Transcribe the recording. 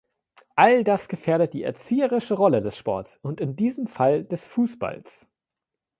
All das gefährdet die erzieherische Rolle des Sports und in diesem Fall des Fußballs.